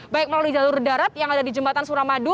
baik melalui jalur darat yang ada di jembatan suramadu